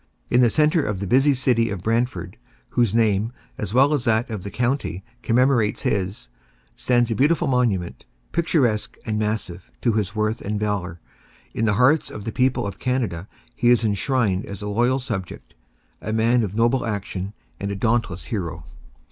In the centre of the busy city of Brantford whose name, as well as that of the county, commemorates his stands a beautiful monument, picturesque and massive, to his worth and valour; in the hearts of the people of Canada he is enshrined as a loyal subject, a man of noble action, and a dauntless hero.